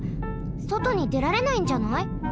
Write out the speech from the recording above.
そとにでられないんじゃない？